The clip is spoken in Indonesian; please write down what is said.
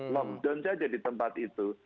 lockdown saja di tempat itu